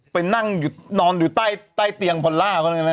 ไปนั่งนอนอยู่ใต้เตียงพลล่า